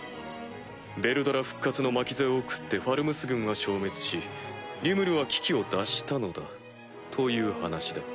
ヴェルドラ復活の巻き添えを食ってファルムス軍は消滅しリムルは危機を脱したのだという話だ。